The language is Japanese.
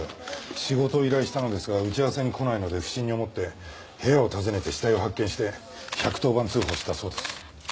仕事を依頼したのですが打ち合わせに来ないので不審に思って部屋を訪ねて死体を発見して１１０番通報したそうです。